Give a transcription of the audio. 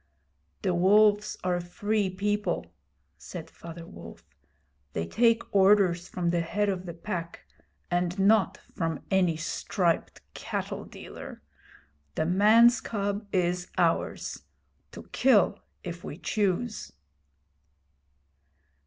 'The Wolves are a free people,' said Father Wolf. 'They take orders from the Head of the Pack, and not from any striped cattle dealer. The man's cub is ours to kill if we choose.'